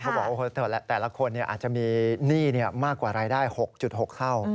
บอกว่าแต่ละคนอาจจะมีหนี้มากกว่ารายได้๖๖เท่า